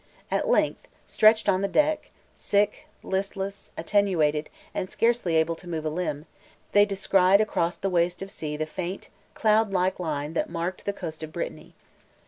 At length, stretched on the deck, sick, listless, attenuated, and scarcely able to move a limb, they descried across the waste of sea the faint, cloud like line that marked the coast of Brittany.